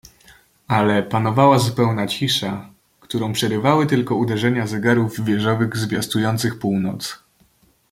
"Ale panowała zupełna cisza, którą przerywały tylko uderzenia zegarów wieżowych, zwiastujących północ."